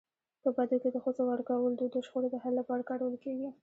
په بدو کي د ښځو ورکولو دود د شخړو د حل لپاره کارول کيږي.